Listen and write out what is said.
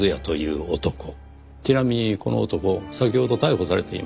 ちなみにこの男先ほど逮捕されています。